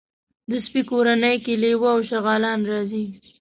د سپي کورنۍ کې لېوه او شغالان راځي.